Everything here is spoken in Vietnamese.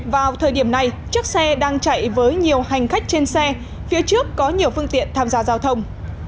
vào thời điểm này chiếc xe đang chạy với nhiều hành khách trên xe phía trước có nhiều phương tiện tham gia giao thông